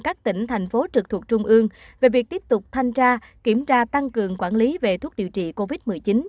các tỉnh thành phố trực thuộc trung ương về việc tiếp tục thanh tra kiểm tra tăng cường quản lý về thuốc điều trị covid một mươi chín